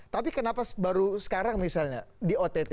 tapi kenapa baru sekarang misalnya di ott